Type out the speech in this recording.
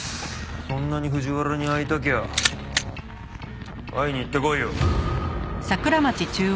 そんなに藤原に会いたきゃ会いに行ってこいよ。